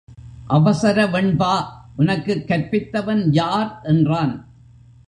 அவசர வெண்பா உனக்குக் கற்பித்தவன் யார் என்றான்.